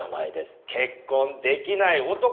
『結婚できない男』